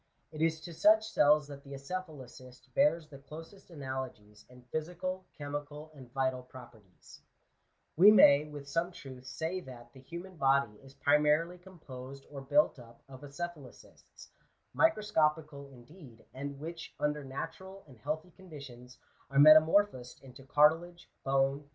It is to such cells that the acephalocyst bears the closest analogies in physical, chemical, and vital properties. *•*• We may, with some truth, say that the human body is primarily composed or built up of acephalocysts; microscopical, indeed, and which, under natural and healthy O O Digitized by VjOOQIC 460 GENERAL CONSIDERATIONS.